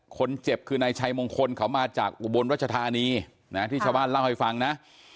คนเจ็บคือนายชัยมงคลเขามาจากอุบลรัชธานีนะที่ชาวบ้านเล่าให้ฟังนะ